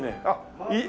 あっ！